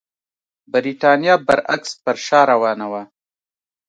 برېټانیا برعکس پر شا روانه وه.